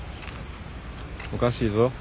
おかしいぞ。